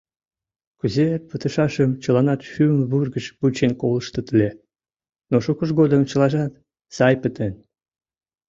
Кузе пытышашым чыланат шӱм вургыж вучен колыштыт ыле, но шукыж годым чылажат сай пытен.